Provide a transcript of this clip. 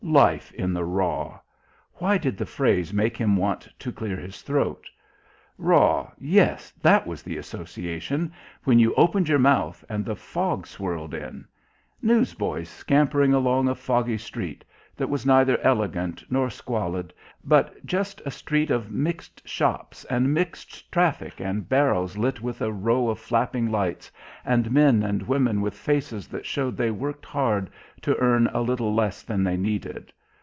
Life in the raw! Why did the phrase make him want to clear his throat? Raw yes, that was the association when you opened your mouth and the fog swirled in. Newsboys scampering along a foggy street that was neither elegant nor squalid, but just a street of mixed shops and mixed traffic and barrows lit with a row of flapping lights, and men and women with faces that showed they worked hard to earn a little less than they needed....